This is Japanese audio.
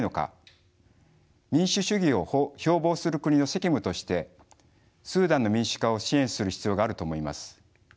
民主主義を標榜する国の責務としてスーダンの民主化を支援する必要があると思います。